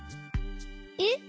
えっ！